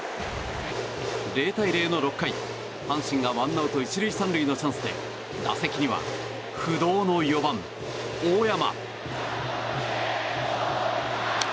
０対０の６回、阪神がワンアウト１塁３塁のチャンスで打席には不動の４番、大山。